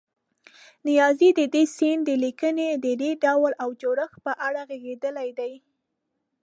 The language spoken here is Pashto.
نیازی د دې سیند د لیکنې د ډول او جوړښت په اړه غږېدلی دی.